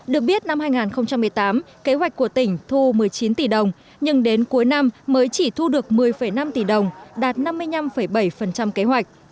được biết năm hai nghìn một mươi tám kế hoạch của tỉnh thu một mươi chín tỷ đồng nhưng đến cuối năm mới chỉ thu được một mươi năm tỷ đồng đạt năm mươi năm bảy kế hoạch